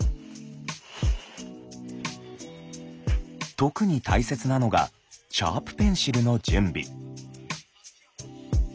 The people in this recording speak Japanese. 特に大切なのがシャープペンシルの準備。